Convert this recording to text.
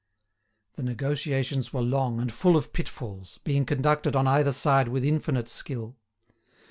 The negotiations were long and full of pitfalls, being conducted on either side with infinite skill.